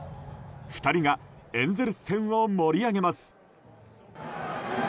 ２人がエンゼルス戦を盛り上げます。